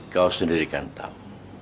kau sendiri kan tahu